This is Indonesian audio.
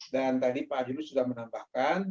dan tadi pak adil sudah menambahkan